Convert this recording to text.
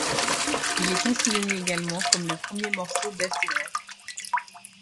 Il est considéré également comme le premier morceau d'acid rock.